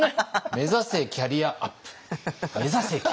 目指せキャリアアップ！